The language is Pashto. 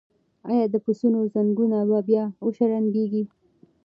ایا د پسونو زنګونه به بیا وشرنګیږي؟